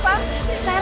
ya gue seneng